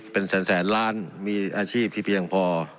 เป็นแสนล้านมีอาชีพที่เพียงพอ